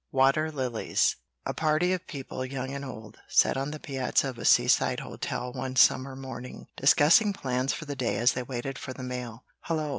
WATER LILIES A PARTY of people, young and old, sat on the piazza of a seaside hotel one summer morning, discussing plans for the day as they waited for the mail. "Hullo!